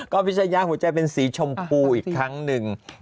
ก็พิชยาหัวใจเป็นสีชมพู